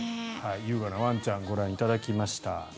優雅なワンちゃんをご覧いただきました。